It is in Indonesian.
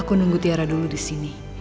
aku nunggu tiara dulu disini